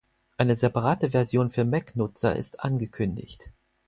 Eine separate Version für Mac-Nutzer ist angekündigt.